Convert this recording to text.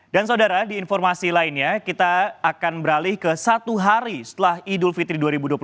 dan saudara di informasi lainnya kita akan beralih ke satu hari setelah idul fitri dua ribu dua puluh empat